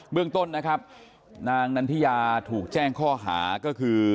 เรื่องต้นนะครับนางนันทิยาถูกแจ้งข้อหาก็คือ